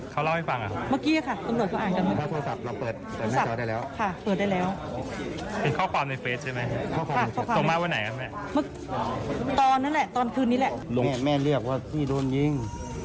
ตอนคืนนี้แหละแม่ด้าเรียกว่าสี่โดนยิง